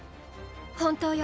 本当よ。